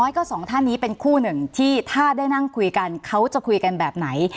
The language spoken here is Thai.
ก็สองท่านนี้เป็นคู่หนึ่งที่ถ้าได้นั่งคุยกันเขาจะคุยกันแบบไหน